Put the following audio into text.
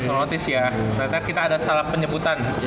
ternyata kita ada salah penyebutan